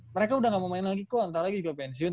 mereka udah gak mau main lagi kok antara lagi juga pensiun